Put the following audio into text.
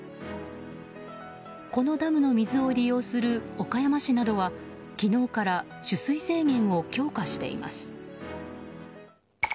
このダムの水を利用する岡山市などは昨日から取水制限を強化しています。